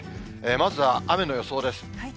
まずは雨の予想です。